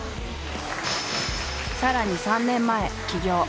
さらに３年前起業。